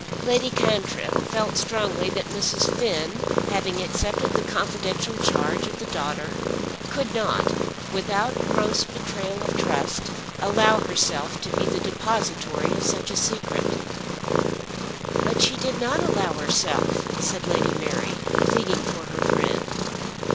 Lady Cantrip felt strongly that Mrs. Finn having accepted the confidential charge of the daughter could not, without gross betrayal of trust, allow herself to be the depositary of such a secret. "But she did not allow herself," said Lady Mary, pleading for her friend.